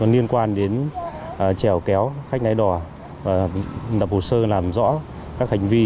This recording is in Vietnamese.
liên quan đến treo kéo khách ngay đò đập hồ sơ làm rõ các hành vi